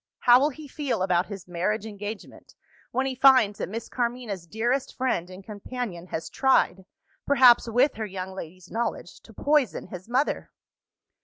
How will he feel about his marriage engagement, when he finds that Miss Carmina's dearest friend and companion has tried perhaps, with her young lady's knowledge to poison his mother?